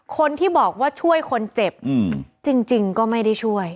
คนที่บอกว่าช่วยคนเจ็บจริงก็ไม่ได้ช่วย